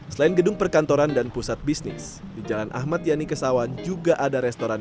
selain gedung perkantoran dan pusat bisnis di jalan ahmad yani kesawan juga ada restoran